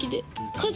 家事。